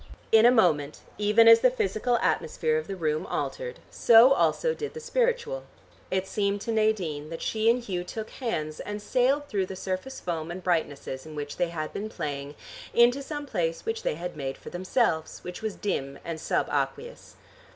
In a moment, even as the physical atmosphere of the room altered, so also did the spiritual. It seemed to Nadine that she and Hugh took hands and sailed through the surface foam and brightnesses in which they had been playing into some place which they had made for themselves, which was dim and sub aqueous.